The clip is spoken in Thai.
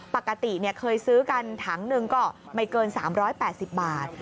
ปกติเคยซื้อกันถังหนึ่งก็ไม่เกิน๓๘๐บาท